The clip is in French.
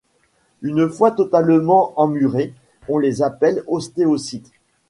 Une fois totalement emmurés, on les appelle ostéocytes.